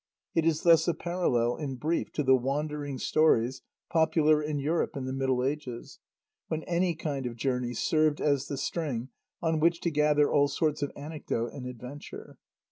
It is thus a parallel in brief to the "Wandering" stories popular in Europe in the Middle Ages, when any kind of journey served as the string on which to gather all sorts of anecdote and adventure.